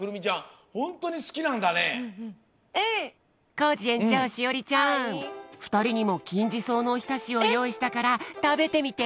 コージえんちょう栞里ちゃんふたりにもきんじそうのおひたしをよういしたからたべてみて！